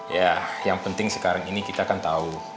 ya yang penting sekarang ini kita kan tahu